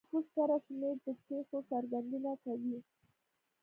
د نفوس کره شمېر د پېښو څرګندونه کوي.